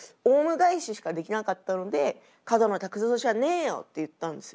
返ししかできなかったので「角野卓造じゃねえよ！」って言ったんですよ。